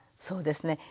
そうですね。